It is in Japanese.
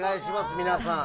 皆さん。